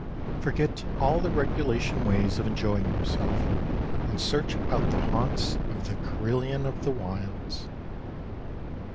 Forget all the regulation ways of enjoying yourself, and search out the haunts of the carillon of the wilds.